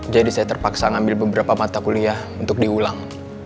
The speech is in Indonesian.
jadi saya terpaksa ngambil beberapa mata kuliah untuk diulang